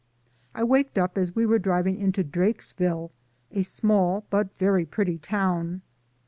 I waked up as we were driving into Drakes ville, a small but very pretty town.